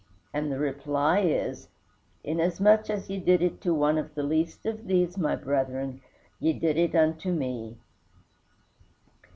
And the reply is, "Inasmuch as ye did it to one of the least of these my brethren, ye did it unto me."